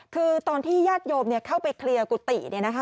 คือตอนที่ญาติโยมเข้าไปเคลียร์กุฏิ